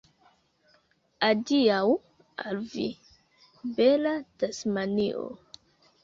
Adiaŭ al vi, bela Tasmanio!